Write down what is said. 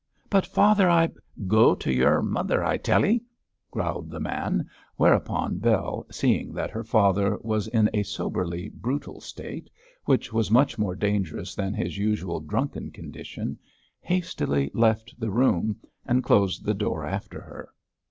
'But, father, I ' 'Go to yer mother, I tell y',' growled the man, whereupon Bell, seeing that her father was in a soberly brutal state, which was much more dangerous than his usual drunken condition, hastily left the room, and closed the door after her.